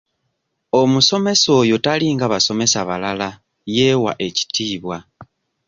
Omusomesa oyo talinga basomesa balala yeewa ekitiibwa.